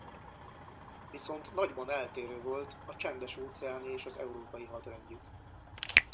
Viszont nagyban eltérő volt a csendes-óceáni és az európai hadrendjük.